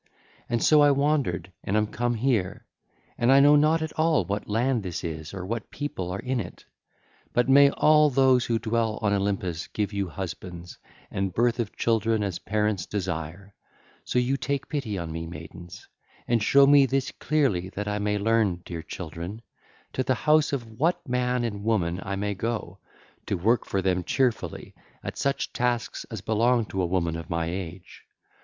And so I wandered and am come here: and I know not at all what land this is or what people are in it. But may all those who dwell on Olympus give you husbands and birth of children as parents desire, so you take pity on me, maidens, and show me this clearly that I may learn, dear children, to the house of what man and woman I may go, to work for them cheerfully at such tasks as belong to a woman of my age.